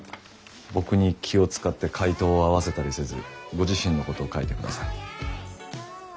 僕に気を遣って回答を合わせたりせずご自身のことを書いてください。